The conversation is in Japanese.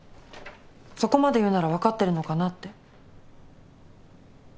そこまで言うなら分かってるのかなって。